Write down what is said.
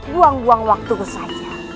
buang buang waktu saja